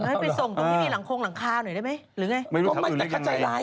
อย่างนั้นไปส่งตรงที่มีหลังโครงหลังคาหน่อยได้มั้ย